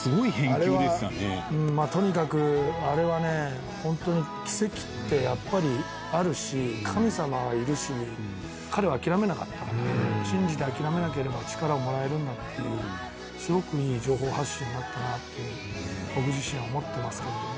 あれは、とにかくあれはね、本当に奇跡ってやっぱりあるし、神様はいるし、彼は諦めなかったから、信じて諦めなければ力はもらえるんだっていう、すごくいい情報発信になったなって、僕自身も思ってますけど。